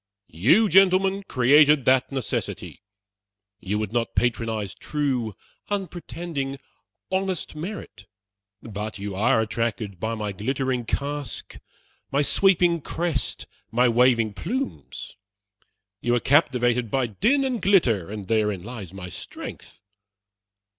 You, gentlemen, created that necessity! You would not patronize true, unpretending, honest merit, but you are attracted by my glittering casque, my sweeping crest, my waving plumes. You are captivated by din and glitter, and therein lies my strength.